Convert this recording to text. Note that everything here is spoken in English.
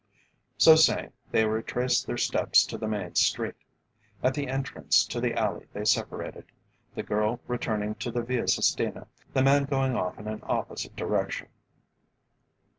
So saying they retraced their steps to the main street. At the entrance to the alley they separated, the girl returning to the Via Sistina the man going off in an opposite direction.